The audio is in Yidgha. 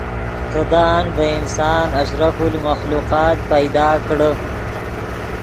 خدآن ڤے انسان اشرف المخلوقات پیدا کڑے